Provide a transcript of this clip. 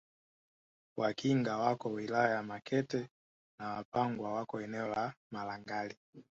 Wakinga wako wilaya ya Makete na Wapangwa wako eneo la Malangali